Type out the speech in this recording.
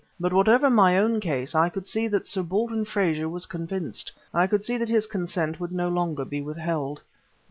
But, whatever my own case, I could see that Sir Baldwin Frazer was convinced, I could see that his consent would no longer be withheld.